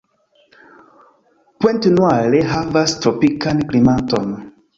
Pointe-Noire havas tropikan klimaton.